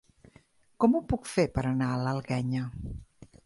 Com ho puc fer per anar a l'Alguenya?